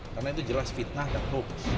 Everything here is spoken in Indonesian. karena itu jelas fitnah dan hoax